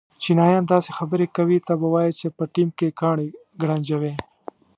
چینایان داسې خبرې کوي ته به وایې چې په ټېم کې کاڼي گړنجوې.